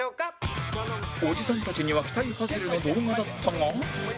おじさんたちには期待外れの動画だったが